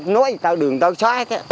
nói tao đường tao xóa hết